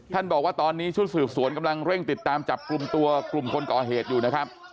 บอกว่าตอนนี้ชุดสืบสวนกำลังเร่งติดตามจับกลุ่มตัวกลุ่มคนก่อเหตุอยู่นะครับ